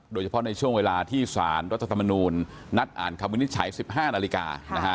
โดยเฉพาะในช่วงเวลาที่สารรัฐธรรมนูญนัดอ่านคำวินิจฉัย๑๕นาฬิกา